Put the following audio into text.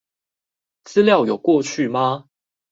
資料有過去嗎